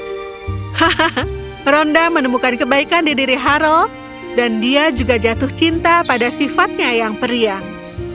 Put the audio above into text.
hahaha ronda menemukan kebaikan di diri haral dan dia juga jatuh cinta pada sifatnya yang periang